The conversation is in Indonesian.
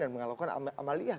dan melakukan amaliyah